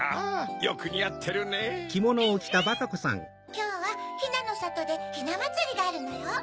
きょうはひなのさとでひなまつりがあるのよ。